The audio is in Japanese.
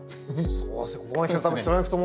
そうですね